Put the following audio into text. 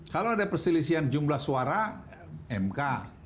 kalau ada perselisihan jumlah suara mk